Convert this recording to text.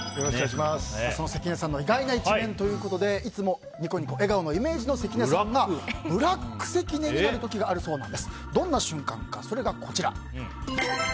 その関根さんの意外な一面ということでいつもニコニコと笑顔なイメージの関根さんがブラック関根になる時があるそうなんです。